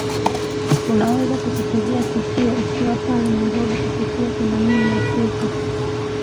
unaweza kututegea sikio ukiwa pale nairobi kupitia themanini na tisa